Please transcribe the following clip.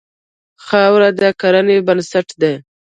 خاوره د کرنې بنسټ دی.